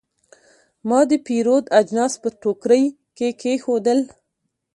ما د پیرود اجناس په ټوکرۍ کې کېښودل.